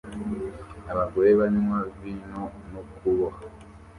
Abagore banywa vino no kuboha